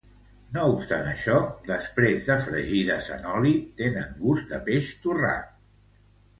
No obstant això, després de fregides en oli, tenen gust de peix torrat.